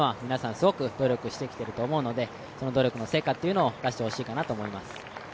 すごく努力してきていると思うのでその努力の成果というのを出してほしいかなと思います。